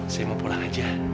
saya mau pulang aja